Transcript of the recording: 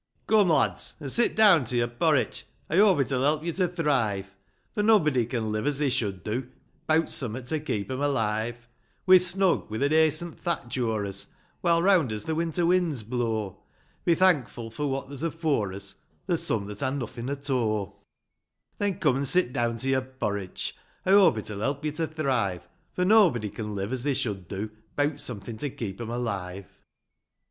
OME lads, an' sit down to yo'r porritch ; I hope it'll help yo' to thrive ; For nob'dy con live as they should do Beavvt some'at to keep 'em alive : We're snug ; with a daicent thalch o'er us, While round us the winter winds blow ; Be thankful for what there's afore us ; There's some that han nothing at o'. Chorus — Then, come, an' sit down to yo'r porritch ; I hope it'll help yo' to thrive ; For nob'dy con live as they should do Beawt some'at to keep 'em alive.